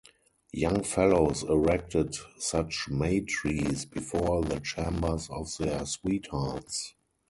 Young fellows erected such May-trees before the chambers of their sweethearts.